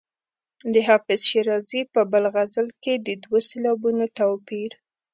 د حافظ شیرازي په بل غزل کې د دوو سېلابونو توپیر.